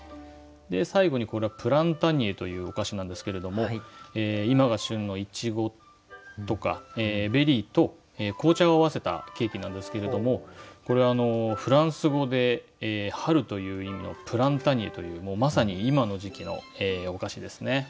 で最後にこれはプランタニエというお菓子なんですけれども今が旬のいちごとかベリーと紅茶を合わせたケーキなんですけれどもこれフランス語で「春」という意味の「プランタニエ」というまさに今の時期のお菓子ですね。